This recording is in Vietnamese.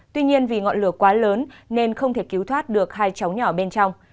tuy nhiên vì ngọn lửa quá lớn nên không thể cứu thoát được hai cháu nhỏ bên trong